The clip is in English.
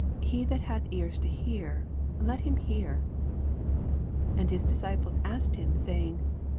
He that hath ears to hear, let him hear. 9 And his disciples asked him, say ing.